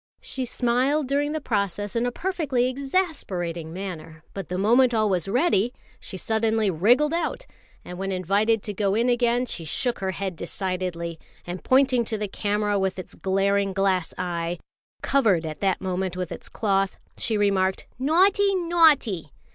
She smiled during the process in a perfectly exasperating manner, but the moment all was ready she suddenly wriggled out; and when invited to go in again, she shook her head decidedly, and pointing to the camera with its glaring glass eye, covered at that moment with its cloth, she remarked, "Naughty! Naughty!"